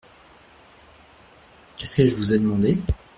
Qu’est-ce qu’elle vous a demandé ?